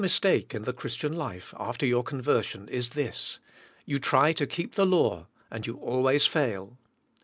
take in the Christian life, after your conversion, is this: You try to keep the law and you always fail.